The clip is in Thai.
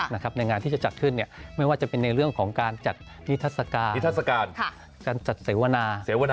ในงานที่จะจัดขึ้นไม่ว่าจะเป็นในเรื่องของการจัดนิทศกาลการจัดเสวนา